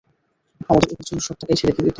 আমাদের উপার্জনের সব টাকাই সে রেখে দিত।